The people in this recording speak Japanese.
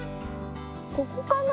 ここかな？